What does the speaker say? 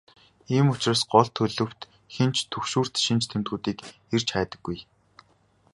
Ийм учраас гол төлөв хэн ч түгшүүрт шинж тэмдгүүдийг эрж хайдаггүй.